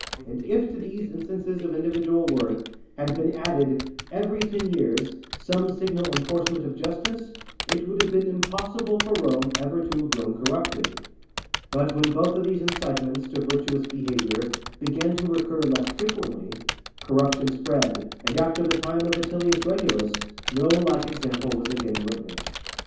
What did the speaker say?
And if to these instances of individual worth had been added, every ten years, some signal enforcement of justice, it would have been impossible for Rome ever to have grown corrupted. But when both of these incitements to virtuous behavior began to recur less frequently, corruption spread, and after the time of Atilius Regulus, no like example was again witnessed.